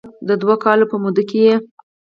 د دوه کالو په موده کې یې